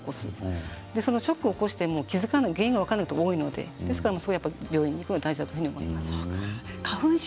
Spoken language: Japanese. そのショックを起こして気付かない原因が分からないことが多いので病院に行くのが大事だと思います。